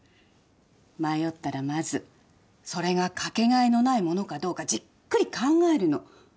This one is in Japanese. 迷ったらまずそれが掛け替えのないものかどうかじっくり考えるの。